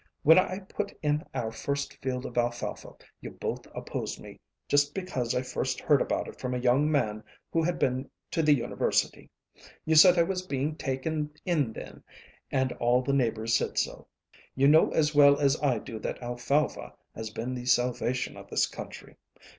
When I put in our first field of alfalfa you both opposed me, just because I first heard about it from a young man who had been to the University. You said I was being taken in then, and all the neighbors said so. You know as well as I do that alfalfa has been the salvation of this country.